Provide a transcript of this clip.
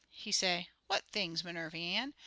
He say, 'What things, Minervy Ann?'